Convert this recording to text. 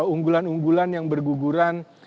unggulan unggulan yang berguguran